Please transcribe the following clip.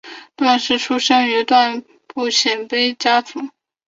段氏出身于段部鲜卑家族。